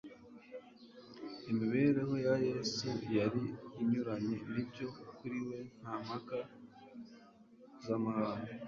Imibereho yaYesu yari inyuranye n'ibyo. Kuri we nta mpaka z'amahane,